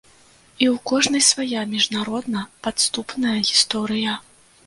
І ў кожнай свая міжнародна-падступная гісторыя.